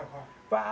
わあ！